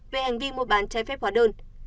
về hành vi mua bàn trái phép hóa đơn